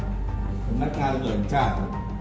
ตรงนักงานส่วนชาติ